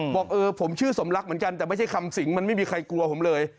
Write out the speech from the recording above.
บอกเออผมชื่อสมรักเหมือนกันแต่ไม่ใช่คำสิงมันไม่มีใครกลัวผมเลย